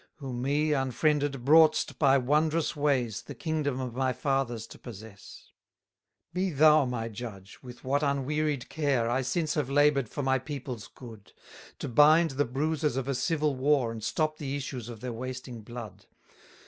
Who me, unfriended, brought'st by wondrous ways, The kingdom of my fathers to possess: 263 Be thou my judge, with what unwearied care I since have labour'd for my people's good; To bind the bruises of a civil war, And stop the issues of their wasting blood.